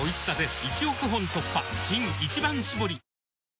新「一番搾り」